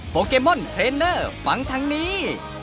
เกมอนเทรนเนอร์ฟังทางนี้